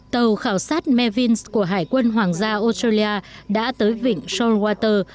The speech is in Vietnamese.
tàu khảo sát mavins của hải quân hoàng gia australia đã tới vịnh shorewater